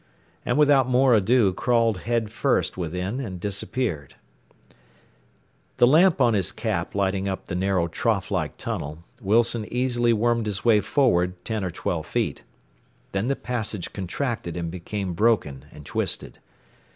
and without more ado crawled head first within and disappeared. The lamp on his cap lighting up the narrow trough like tunnel, Wilson easily wormed his way forward ten or twelve feet. Then the passage contracted and became broken and twisted.